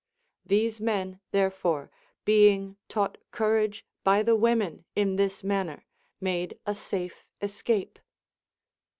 These men therefore, being taught courage by the women in this manner, made a safe escape.